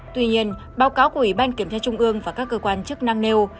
tuy nhiên báo cáo của ủy ban kiểm tra trung ương và các cơ quan chức năng nêu